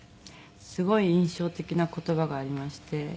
すごい印象的な言葉がありまして。